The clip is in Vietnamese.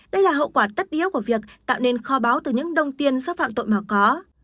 đây là hậu quả tất yếu của việc tạo nên kho báo từ những đồng tiền do phạm tội mà có